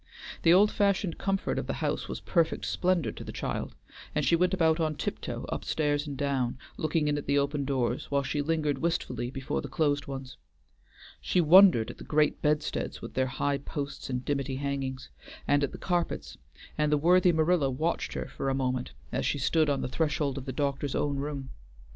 The old fashioned comfort of the house was perfect splendor to the child, and she went about on tiptoe up stairs and down, looking in at the open doors, while she lingered wistfully before the closed ones. She wondered at the great bedsteads with their high posts and dimity hangings, and at the carpets, and the worthy Marilla watched her for a moment as she stood on the threshold of the doctor's own room.